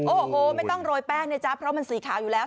โอ้โหไม่ต้องโรยแป้งนะจ๊ะเพราะมันสีขาวอยู่แล้ว